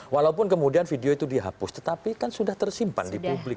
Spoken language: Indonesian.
walaupun kemudian video itu dihapus tetapi kan sudah tersimpan di publik